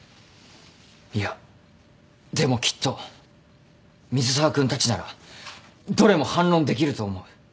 いやでもきっと水沢君たちならどれも反論できると思う。